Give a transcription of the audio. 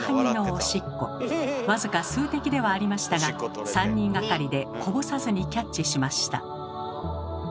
僅か数滴ではありましたが３人がかりでこぼさずにキャッチしました。